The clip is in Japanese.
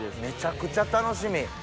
めちゃくちゃ楽しみ。